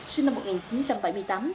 sinh năm một nghìn chín trăm bảy mươi tám